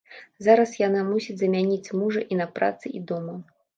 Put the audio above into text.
Зараз яна мусіць замяніць мужа і на працы, і дома.